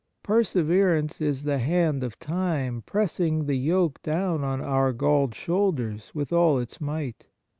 Perseverance is the hand of time pressing the yoke down on our galled shoulders with all its might.